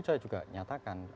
saya juga nyatakan